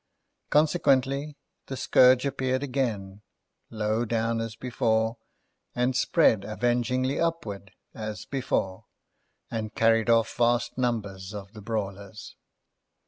Consequently the scourge appeared again—low down as before—and spread avengingly upward as before, and carried off vast numbers of the brawlers.